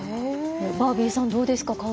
バービーさん、どうですか？